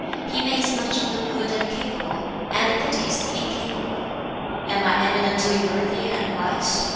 He makes much of the good and capable, and pities the incapable. Am I eminently worthy and wise?